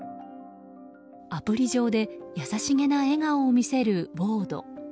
アプリ上で優しげな笑顔を見せるウォード。